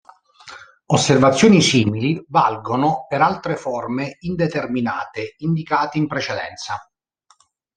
Osservazioni simili valgono per le altre forme indeterminate indicate in precedenza.